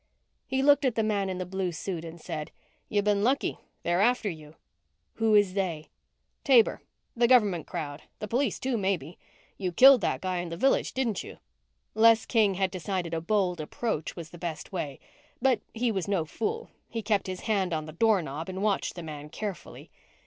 He looked at the man in the blue suit and said, "You've been lucky. They're after you." "Who is they?" "Taber. The government crowd. The police, too, maybe. You killed that guy in the Village, didn't you?" Les King had decided a bold approach was the best way. But he was no fool. He kept his hand on the doorknob and watched the man carefully.